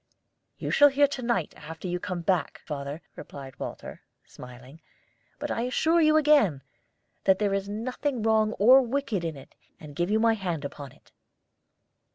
"You shall hear to night, after you come back, father," replied Walter, smiling. "But I assure you again that there is nothing wrong or wicked in it, and give you my hand upon it."